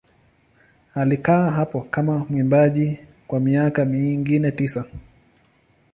Alikaa hapo kama mwimbaji kwa miaka mingine tisa.